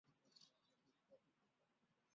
兄弟情是同性交际中的亲密关系之一。